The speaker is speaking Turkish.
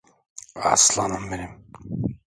Aslanım benim.